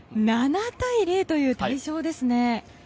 ７対０という大勝ですね。